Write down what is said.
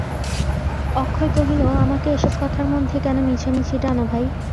অক্ষয় কহিল, আমাকে এ-সব কথার মধ্যে কেন মিছামিছি টানো ভাই?